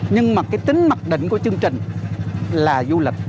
nhưng mà cái tính mặt định của chương trình là du lịch